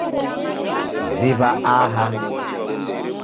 Ziw'a aha.